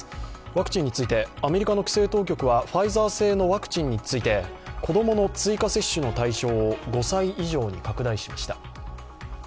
ワクチンについて、アメリカの規制当局はファイザー製のワクチンについて子供の追加接種の対象を５歳以上に拡大しました。